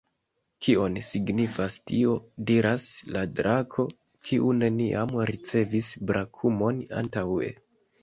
"Kion signifas tio?" diras la drako, kiu neniam ricevis brakumon antaŭe.